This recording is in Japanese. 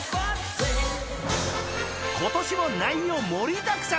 ［ことしも内容盛りだくさん！］